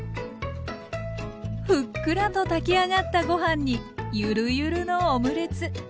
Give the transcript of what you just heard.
ふっくらと炊き上がったご飯にゆるゆるのオムレツ。